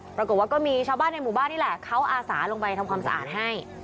ปรากฏว่าก็มีชาวบ้านในหมู่บ้านนี่แหละเขาอาสาลงไปทำความสะอาดให้